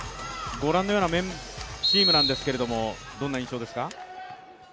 ご覧のようなチームなんですけれどもどんな印象ですか？